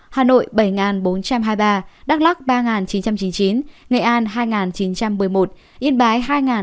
hà nội bảy bốn trăm hai mươi ba đắk lắc ba chín trăm chín mươi chín nghệ an hai chín trăm một mươi một yên bái hai tám trăm tám mươi ba